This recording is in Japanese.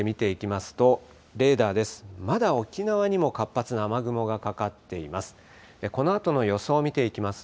まだ沖縄にも活発な雨雲がかかっています。